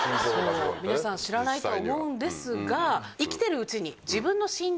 皆さん知らないと思うんですが。